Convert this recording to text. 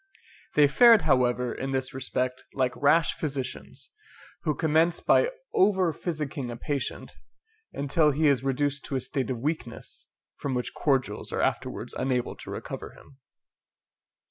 They fared, however, in this respect, like rash physicians, who commence by over physicking a patient, until he is reduced to a state of weakness, from which cordials are afterwards unable to recover him.